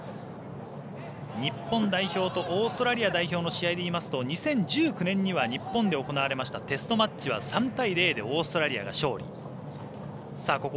日本代表とオーストラリア代表の試合で言いますと２０１９年には日本で行われましたテストマッチでは３対０でオーストラリアが勝利。